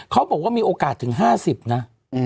เขาบอกว่ามีโอกาสถึง๕๐นะ